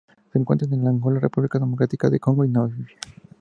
Se encuentran en Angola, República Democrática del Congo, y Namibia.